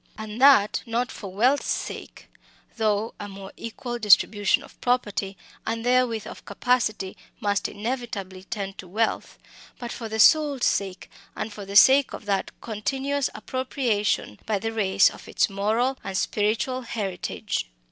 And that not for wealth's sake though a more equal distribution of property, and therewith of capacity, must inevitably tend to wealth but for the soul's sake, and for the sake of that continuous appropriation by the race of its moral and spiritual heritage.